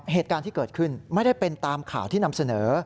เหตุการณ์ที่เกิดขึ้นไม่ได้เป็นตามข่าวที่นำเสนอ